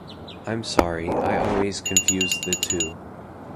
I'm sorry, I always confuse the two.